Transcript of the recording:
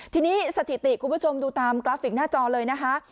ทีนี้สถิติคุณผู้ชมดูตามกราฟิกหน้าจอเลยนะคะ